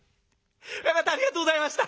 親方ありがとうございました。